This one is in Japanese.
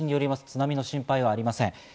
津波の心配はありません。